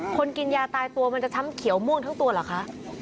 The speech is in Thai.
คนกินยาตายตัวมันจะช้ำเขียวม่วงทั้งตัวเหรอคะ